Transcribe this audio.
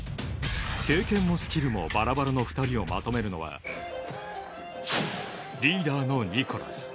経験もスキルもバラバラな２人をまとめるのは、リーダーのＮＩＣＨＯＬＡＳ。